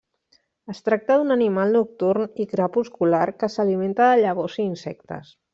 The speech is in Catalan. Es tracta d'un animal nocturn i crepuscular que s'alimenta de llavors i insectes.